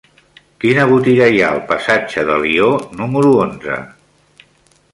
Quina botiga hi ha al passatge d'Alió número onze?